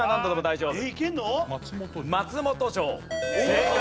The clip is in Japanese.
正解。